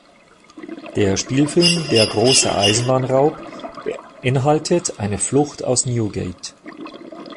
Der Spielfilm Der große Eisenbahnraub beinhaltet eine Flucht aus Newgate.